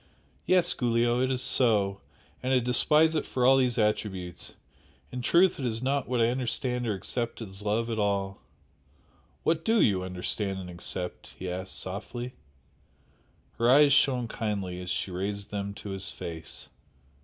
Yes, Giulio! it is so, and I despise it for all these attributes in truth it is not what I understand or accept as love at all " "What DO you understand and accept?" he asked, softly. Her eyes shone kindly as she raised them to his face.